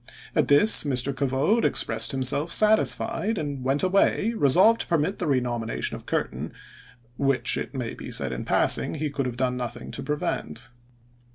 At this Mr. Covode expressed himself satisfied, and went away resolved to permit the renomination of Curtin, which, it may be said in passing, he could have done nothing to prevent.